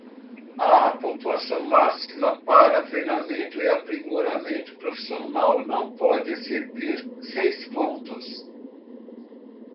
A pontuação máxima para treinamento e aprimoramento profissional não pode exceder seis pontos.